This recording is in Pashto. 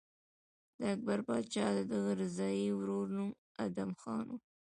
د اکبر پاچا د دغه رضاعي ورور نوم ادهم خان و.